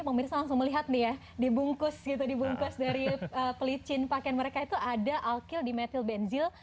pak mirsa langsung melihat nih ya dibungkus gitu dibungkus dari pelicin pakaian mereka itu ada alkyl dimethylbenzil